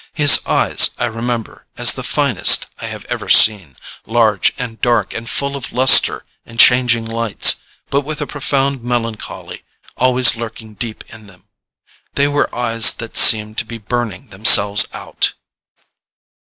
His eyes I remember as the finest I have ever seen, large and dark and full of lustre and changing lights, but with a profound melancholy always lurking deep in them. They were eyes that seemed to be burning themselves out.